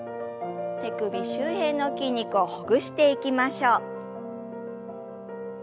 手首周辺の筋肉をほぐしていきましょう。